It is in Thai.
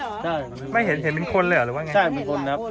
ใช่ไม่เห็นเห็นเป็นคนเลยเหรอหรือว่าไงใช่เป็นคนครับ